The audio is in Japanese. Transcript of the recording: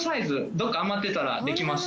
どっか余ってたらできます。